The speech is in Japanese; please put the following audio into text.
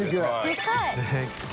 でかい。